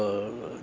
nhân dân tộc